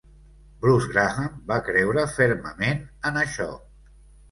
Bruce Graham va creure fermament en això.